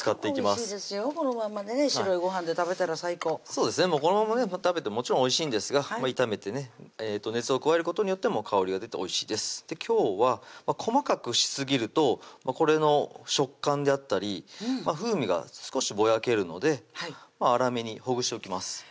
おいしいですよこのまんまね白いごはんで食べたら最高そうですねこのまま食べてもちろんおいしいんですが炒めてね熱を加えることによって香りが出ておいしいです今日は細かくしすぎるとこれの食感であったり風味が少しぼやけるので粗めにほぐしておきます